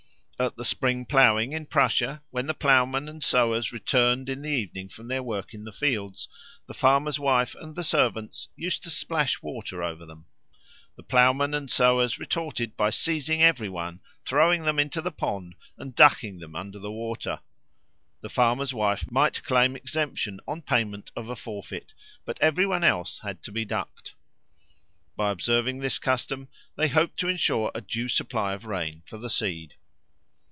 At the spring ploughing in Prussia, when the ploughmen and sowers returned in the evening from their work in the fields, the farmer's wife and the servants used to splash water over them. The ploughmen and sowers retorted by seizing every one, throwing them into the pond, and ducking them under the water. The farmer's wife might claim exemption on payment of a forfeit, but every one else had to be ducked. By observing this custom they hoped to ensure a due supply of rain for the seed.